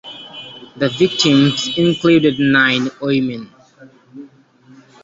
The victims included nine women.